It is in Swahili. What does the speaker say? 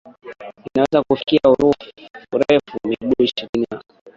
inaweza kufikia urefu wa miguu ishirini na